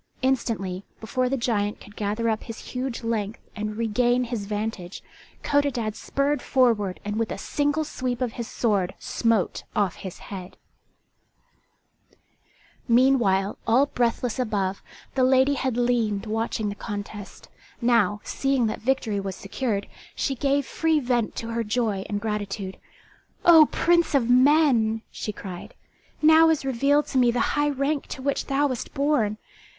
Instantly, before the giant could gather up his huge length and regain his vantage, Codadad spurred forward and with a single sweep of his sword smote off his head. [Illustration: Reaching his farthest wounded the giant in the knee.] Meanwhile, all breathless above, the lady had leaned watching the contest. Now, seeing that victory was secured, she gave free vent to her joy and gratitude. "O prince of men!" she cried, "now is revealed to me the high rank to which thou wast born.